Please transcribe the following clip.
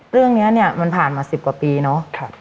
เรื่องนี้เนี่ยมันผ่านมา๑๐กว่าปีเนาะ